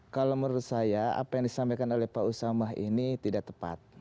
kalau menurut saya apa yang disampaikan oleh pak usamah ini tidak tepat